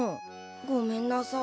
ごめんなさい。